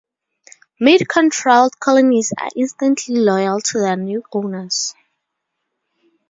Mind-controlled colonies are instantly loyal to their new owners.